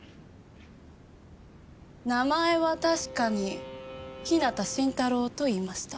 名前は確かに日向新太郎といいました。